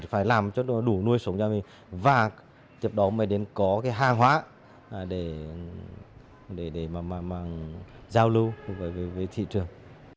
phải làm cho nó đủ nuôi sống gia đình và tiếp đó mới đến có cái hàng hóa để mà giao lưu với thị trường